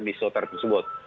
di isoter tersebut